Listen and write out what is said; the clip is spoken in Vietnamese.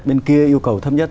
bên kia yêu cầu thấp nhất